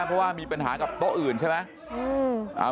เพราะว่ามีปัญหากับโต๊ะอื่นใช่ไหม